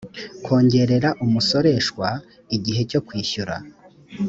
kongerera umusoreshwa igihe cyo kwishyura